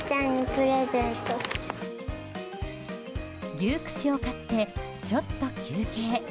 牛串を買ってちょっと休憩。